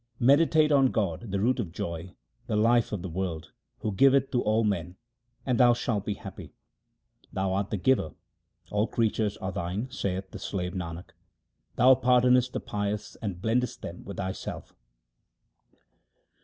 Meditate on God, the root of joy, the life of the world, who giveth to all men, and thou shalt be happy. Thou art the Giver ; all creatures are Thine, saith the slave Nanak ; thou pardonest the pious and blendest them with Thyself.